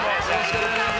お願いします！